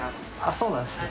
そうなんですね。